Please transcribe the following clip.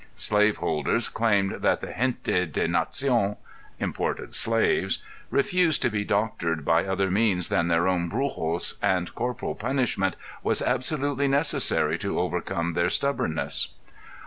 Slave holders claimed that "the gente de naci├│n (imported slaves) refused to be doctored by other means than their own brujos and corporal punishment was absolutely necessary to overcome their stubbornness".